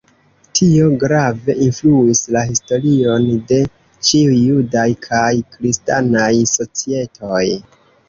Tio grave influis la historion de ĉiuj judaj kaj kristanaj societoj.